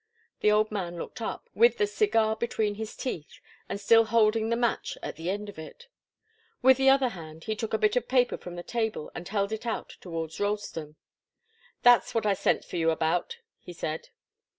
The old man looked up, with the cigar between his teeth, and still holding the match at the end of it. With the other hand he took a bit of paper from the table and held it out towards Ralston. "That's what I sent for you about," he said.